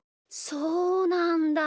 そうなんだ。